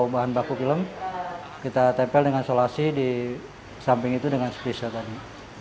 bahan baku film kita tempel dengan solasi di samping itu dengan spesial tadi